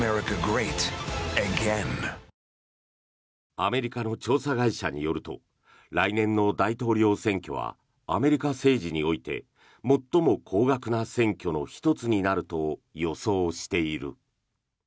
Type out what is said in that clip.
アメリカの調査会社によると来年の大統領選挙はアメリカ政治において最も高額な選挙の１つになると予想している。